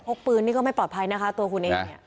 กปืนนี่ก็ไม่ปลอดภัยนะคะตัวคุณเองเนี่ย